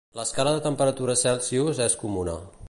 L'escala de temperatura Celsius és comuna.